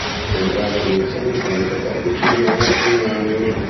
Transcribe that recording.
Gonzaga vinse l'incontro per decisione unanime.